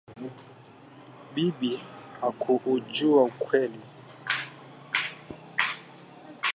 Bibi hakuujua ukweli